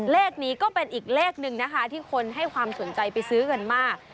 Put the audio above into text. เลขนี้ก็เป็นอีกเลขหนึ่งนะคะที่คนให้ความสนใจไปซื้อกันมาก